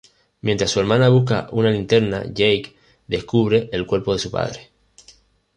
Mientras su hermana busca una linterna, Jake descubre el cuerpo de su padre.